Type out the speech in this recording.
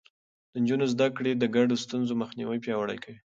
د نجونو زده کړه د ګډو ستونزو مخنيوی پياوړی کوي.